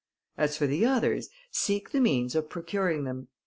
As for the others, seek the means of procuring them.